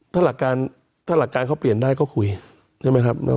ถ้าหลักการเขาเปลี่ยนได้ก็คุยใช่ไหมครับ